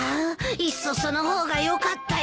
いっそその方がよかったよ。